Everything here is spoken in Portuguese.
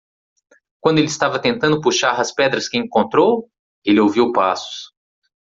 Quando ele estava tentando puxar as pedras que encontrou? ele ouviu passos.